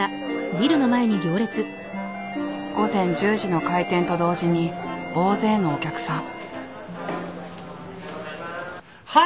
午前１０時の開店と同時に大勢のお客さん。